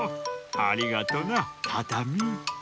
ありがとなタタミン。